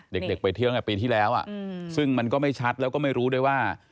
เด็กไปเที่ยวตั้งแต่ปีที่แล้วซึ่งมันก็ไม่ชัดแล้วก็ไม่รู้ด้วยว่า